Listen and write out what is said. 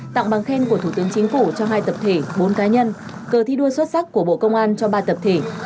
tặng bằng khen của thủ tướng chính phủ cho hai tập thể bốn cá nhân cờ thi đua xuất sắc của bộ công an cho ba tập thể